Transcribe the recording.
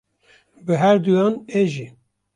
Bi herduyan e jî.